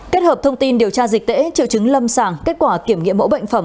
kết hợp thông tin điều tra dịch tễ triệu chứng lâm sàng kết quả kiểm nghiệm mẫu bệnh phẩm